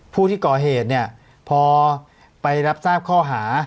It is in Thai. ผู้ที่ก่อเหตุเนี่ยพอไปรับทราบข้อหา